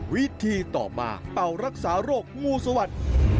วิธีต่อมาเป่ารักษาโรคมูสวรรค